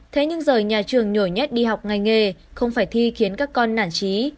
thế nhưng giờ nhà trường nhồi nhét đi học ngay nghề không phải thi khiến các con nản trí